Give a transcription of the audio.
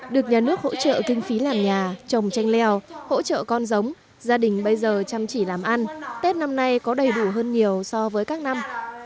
được nhà nước hỗ trợ kinh phí làm nhà trồng tranh leo hỗ trợ con giống gia đình bây giờ chăm chỉ làm ăn tết năm nay có đầy đủ hơn nhiều so với các năm